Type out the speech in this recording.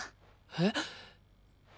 えっ？